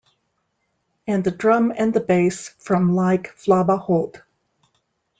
And the drum and the bass from like Flabba Holt.